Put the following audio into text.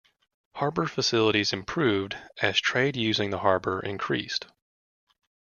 Harbour facilities improved as trade using the harbour increased.